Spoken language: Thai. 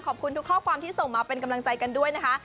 ขอบคุณทุกข้อความที่ส่งมาเป็นกำลังใจกันด้วยนะคะ